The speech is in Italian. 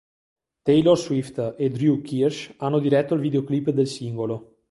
Taylor Swift e Drew Kirsch hanno diretto il videoclip del singolo.